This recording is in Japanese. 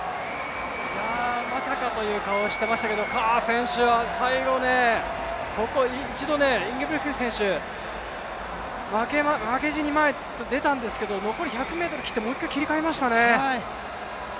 まさかという顔をしていましたけど、最後、ここ一度、インゲブリクセン選手、負けじと前に出たんですけど、残り１００ｍ切って、もう１回切り替えましたね。